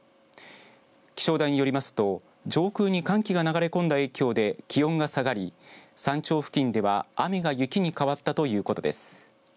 気象台によりますと上空に寒気が流れ込んだ影響で気温が下がり、山頂付近では雨が雪に変わったということです。